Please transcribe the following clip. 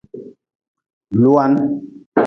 Lua-n.